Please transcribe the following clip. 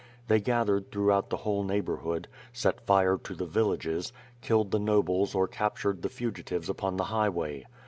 They gathered throughout the whole neighborhood, set fire to the villages, killed the nobles or captured the fugi tives upon the highway.